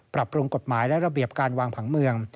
ปรับปรุงกฎหมายและระเบียบการวางผังเมือง